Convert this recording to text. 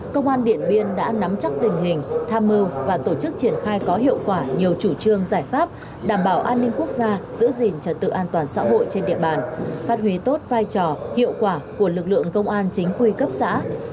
công an điện biên đã nắm chắc tình hình tham mưu và tổ chức triển khai có hiệu quả nhiều chủ trương giải pháp đảm bảo an ninh quốc gia giữ gìn trật tự an toàn xã hội trên địa bàn phát huy tốt vai trò hiệu quả của lực lượng công an chính quy cấp xã